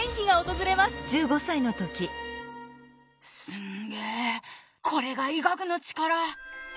すんげえこれが医学の力！